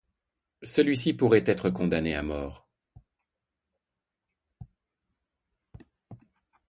Celui-ci pourrait être condamné à mort.